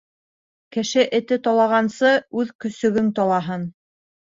Кеше эте талағансы, үҙ көсөгөң талаһын.